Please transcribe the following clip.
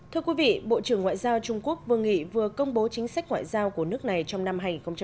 thưa quý vị bộ trưởng ngoại giao trung quốc vương nghị vừa công bố chính sách ngoại giao của nước này trong năm hai nghìn hai mươi